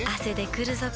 くるぞ？